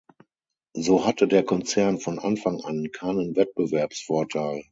So hatte der Konzern von Anfang an keinen Wettbewerbsvorteil.